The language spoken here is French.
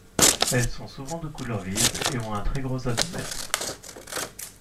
Elles sont souvent de couleurs vives et ont un très gros abdomen.